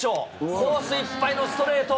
コースいっぱいのストレート。